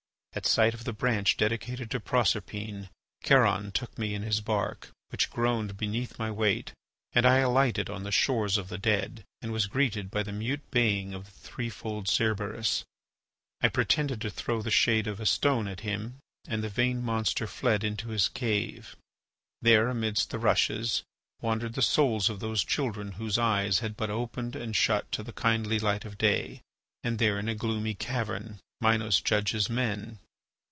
At sight of the branch dedicated to Proserpine, Charon took me in his bark, which groaned beneath my weight, and I alighted on the shores of the dead, and was greeted by the mute baying of the threefold Cerberus. I pretended to throw the shade of a stone at him, and the vain monster fled into his cave. There, amidst the rushes, wandered the souls of those children whose eyes had but opened and shut to the kindly light of day, and there in a gloomy cavern Minos judges men.